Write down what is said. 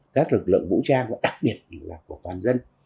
các lực lượng vũ trang và đặc biệt là của toàn dân